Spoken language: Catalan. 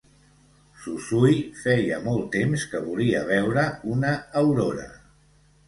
Suzui feia molt temps que volia veure una aurora.